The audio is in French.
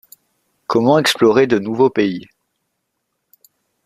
Comment explorer de nouveaux pays?